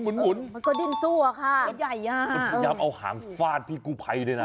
มันก็ดิ้นสู้อะค่ะมันยาวเอาหางฟาดพี่กู้ภัยด้วยนะ